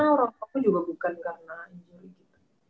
orangtua aku juga bukan karena injury gitu